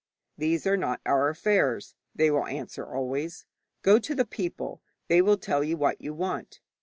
'These are not our affairs,' they will answer always. 'Go to the people; they will tell you what you want.'